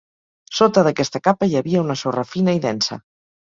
Sota d'aquesta capa hi havia una sorra fina i densa.